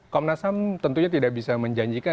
komnasam tentunya tidak bisa menjanjikan